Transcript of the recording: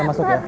ada yang tuh